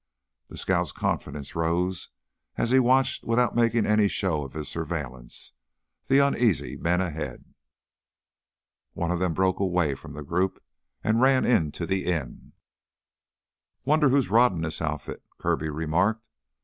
The scout's confidence rose as he watched, without making any show of his surveillance, the uneasy men ahead. One of them broke away from the group, and ran into the inn. "Wonder who's roddin' this outfit," Kirby remarked.